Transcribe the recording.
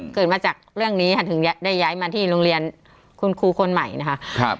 เกิดมาจากเรื่องนี้ค่ะถึงได้ย้ายมาที่โรงเรียนคุณครูคนใหม่นะคะ